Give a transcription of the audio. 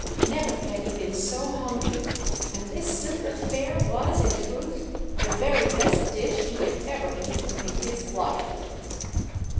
Never had he been so hungry, and this simple fare was in truth the very best dish he had ever eaten in his life!